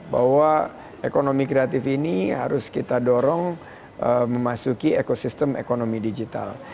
bahwa ekonomi kreatif ini harus kita dorong memasuki ekosistem ekonomi digital